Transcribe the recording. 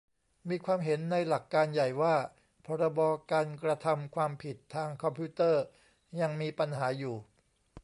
มีความเห็นในหลักการใหญ่ว่า พรบการกระทำความผิดทางคอมพิวเตอร์ยังมีปัญหาอยู่